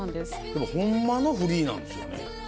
でもホンマのフリーなんですよね。